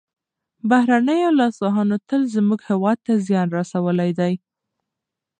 بهرنیو لاسوهنو تل زموږ هېواد ته زیان رسولی دی.